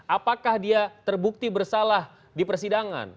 apakah dia terbukti bersalah di persidangan